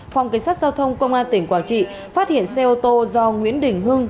phòng cảnh sát giao thông công an tỉnh quảng trị phát hiện xe ô tô do nguyễn đình hưng